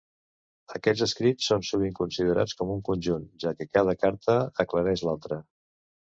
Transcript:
Aquests escrits són sovint considerats com un conjunt, ja que cada carta aclareix l'altra.